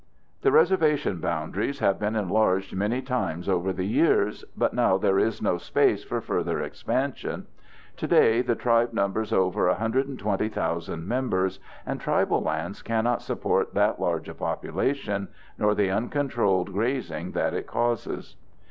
The reservation boundaries have been enlarged many times over the years, but now there is no space for further expansion. Today the tribe numbers over 120,000 members, and tribal lands cannot support that large a population nor the uncontrolled grazing that it causes.